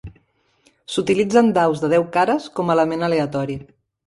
S'utilitzen daus de deu cares com a element aleatori.